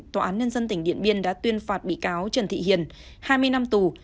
tòa án nhân dân tỉnh điện biên đã tuyên phạt bị cáo trần thị hiền hai mươi năm tù